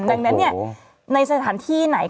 ดังนั้นในสถานที่ไหน